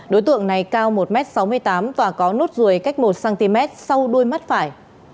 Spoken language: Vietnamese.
đối tượng này cao một m sáu mươi tám và có nốt ruồi cách một cm sau đuôi mắt phải